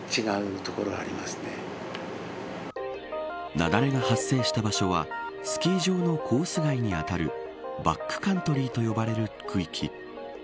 雪崩が発生した場所はスキー場のコース外に当たるバックカントリーと呼ばれる区域。